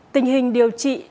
tình hình điều trị